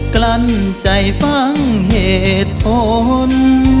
กลั้นใจฟังเหตุผล